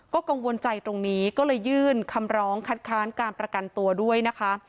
กังวลใจตรงนี้ก็เลยยื่นคำร้องคัดค้านการประกันตัวด้วยนะคะ